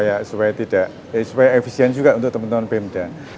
jadi supaya tidak supaya efisien juga untuk teman teman pemda